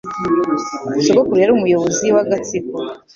Sogokuru yari umuyobozi w'agatsiko